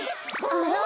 あら？